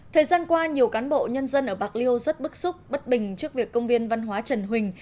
thời gian qua nhiều cán bộ nhân dân ở bạc liêu rất bức xúc bất bình trước việc công viên văn hóa trần huỳnh